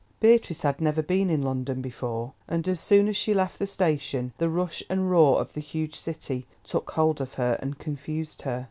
Beatrice had never been in London before, and as soon as she left the station the rush and roar of the huge city took hold of her, and confused her.